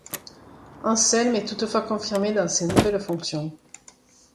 Anselm est toutefois confirmé dans ses nouvelles fonctions.